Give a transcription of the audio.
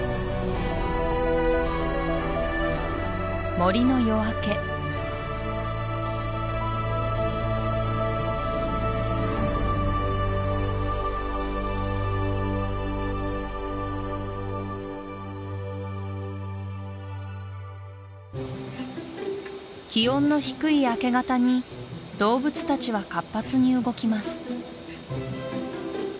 森の夜明け気温の低い明け方に動物たちは活発に動きます